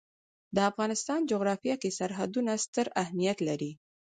د افغانستان جغرافیه کې سرحدونه ستر اهمیت لري.